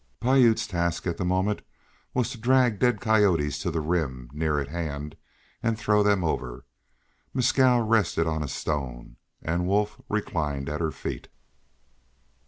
Piute's task at the moment was to drag dead coyotes to the rim, near at hand, and throw them over. Mescal rested on a stone, and Wolf reclined at her feet.